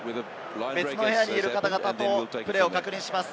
別の部屋にいる方々とプレーを確認します。